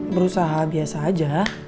berusaha biasa aja